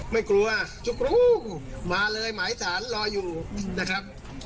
ไม่กลัวจุกรุ้งมาเลยหมายสารรออยู่นะครับ